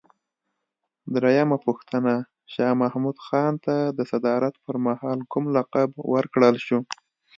درېمه پوښتنه: شاه محمود خان ته د صدارت پر مهال کوم لقب ورکړل شو؟